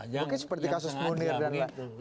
mungkin seperti kasus munir dan lain lain